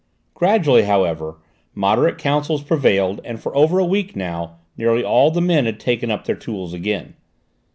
Gradually, however, moderate counsels prevailed and for over a week now, nearly all the men had taken up their tools again.